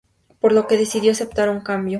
Por lo que decidió aceptar un cambio.